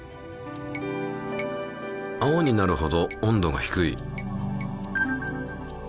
青になるほど温度が低い。